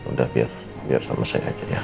udah biar sama saya ajar ya